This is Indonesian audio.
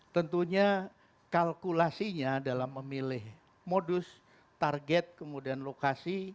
tentunya kalkulasinya dalam memilih modus target kemudian lokasi